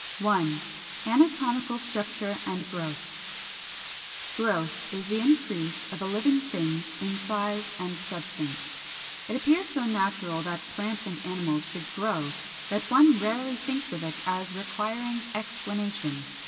§ 1. ANATOMICAL STRUCTURE AND GROWTH. 394. =Growth= is the increase of a living thing in size and substance. It appears so natural that plants and animals should grow, that one rarely thinks of it as requiring explanation.